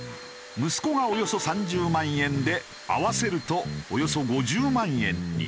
息子がおよそ３０万円で合わせるとおよそ５０万円に。